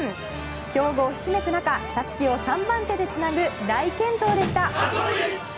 強豪ひしめく中たすきを３番手でつなぐ大健闘でした。